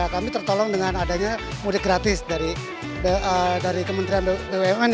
kami tertolong dengan adanya mudik gratis dari kementerian bumn